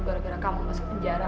gara gara kamu masuk penjara